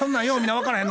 分からへん